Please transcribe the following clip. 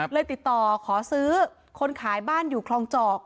ติดต่อขอซื้อคนขายบ้านอยู่คลองจอก